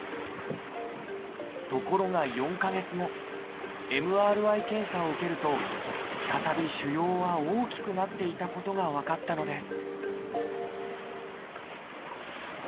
ところが４か月後ＭＲＩ検査を受けると再び腫瘍は大きくなっていたことが分かったのです